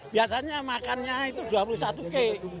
biasanya makannya itu dua puluh satu kek